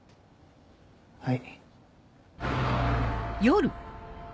はい。